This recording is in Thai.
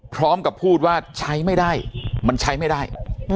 พร้อมกับพูดว่าใช้ไม่ได้มันใช้ไม่ได้